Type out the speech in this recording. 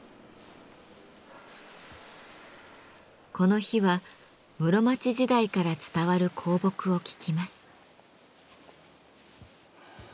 この日は室町時代から伝わる香木を聞きます。